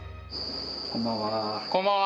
こんばんは。